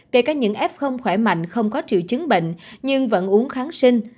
kể cả những f khỏe mạnh không có triệu chứng bệnh nhưng vẫn uống kháng sinh